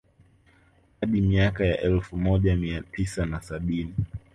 Hadi miaka ya elfu moja mia tisa na sabini